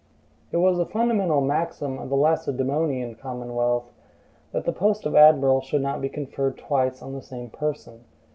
It was a fundamental maxim of the Lacedaemonian commonwealth, that the post of admiral should not be conferred twice on the same person.